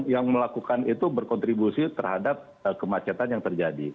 yang melakukan itu berkontribusi terhadap kemacetan yang terjadi